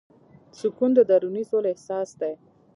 سکون د دروني سولې احساس دی.